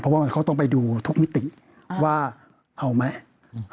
เพราะว่ามันเขาต้องไปดูทุกมิติว่าเอาไหม